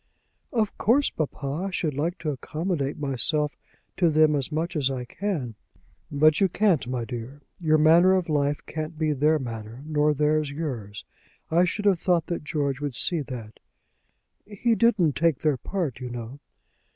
"Of course, papa, I should like to accommodate myself to them as much as I can." "But you can't, my dear. Your manner of life can't be their manner, nor theirs yours. I should have thought George would see that." "He didn't take their part, you know."